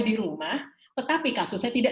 di rumah tetapi kasusnya tidak